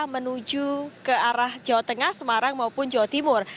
menuju ke arah jawa tengah semarang maupun jawa timur